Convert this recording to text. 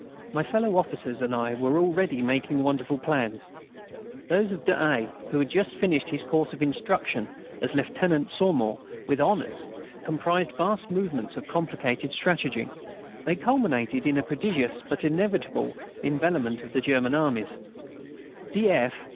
My fellow officers and I were already making wonderful plans. Those of d'A., who had just finished his course of instruction as lieutenant at Saumur with honours, comprised vast movements of complicated strategy. They culminated in a prodigious but inevitable envelopment of the German armies, De F.